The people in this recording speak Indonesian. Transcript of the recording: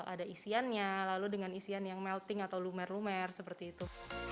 ada isiannya lalu dengan isian yang melting atau lumer lumer seperti itu